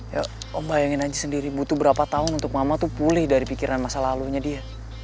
ya om bayangin aja sendiri butuh berapa tahun untuk mama tuh pulih dari pikiran masa lalunya dia